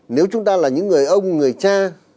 nếu chúng ta là những người ông người cha